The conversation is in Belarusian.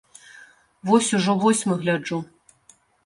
Вось ужо восьмы гляджу.